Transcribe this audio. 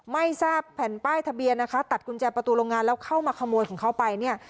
ไม่ทราบแผ่นป้ายทะเบียนนะคะตัดกุญแจประตูโรงงานแล้วเข้ามาขโมยของเขาไปเนี่ย